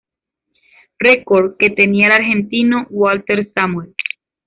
Record que tenia el Argentino Walter Samuel.